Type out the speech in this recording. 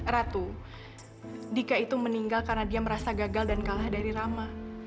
ratu dika itu meninggal karena dia merasa gagal dan kalah dari rama